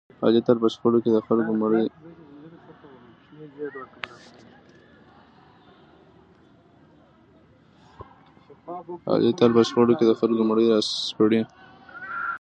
علي تل په شخړو کې د خلکو مړي را سپړي.